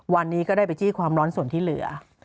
วันนี้ก็ได้ไปตื่นเฉพาะความร้อนส่วนที่เหลือ